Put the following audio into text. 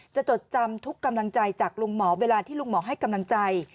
จดจำทุกกำลังใจจากลุงหมอเวลาที่ลุงหมอให้กำลังใจ